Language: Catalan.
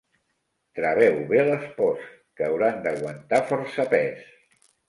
Traveu bé les posts, que hauran d'aguantar força pes.